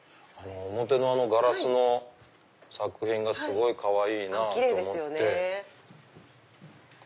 表のガラスの作品がすごいかわいいなと思って。